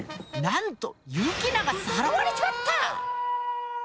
なんとユキナがさらわれちまった！